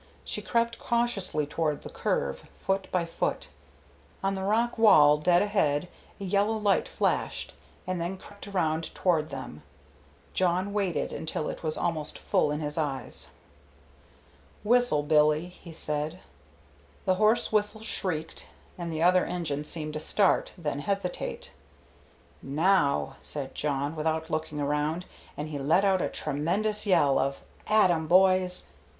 She crept cautiously toward the curve, foot by foot. On the rock wall dead ahead a yellow light flashed, and then crept around toward them. Jawn waited until it was almost full in his eyes. "Whistle, Billy," he said. The hoarse whistle shrieked, and the other engine seemed to start, then hesitate. "Now," said Jawn, without looking around, and he let out a tremendous yell of "At 'em, boys!"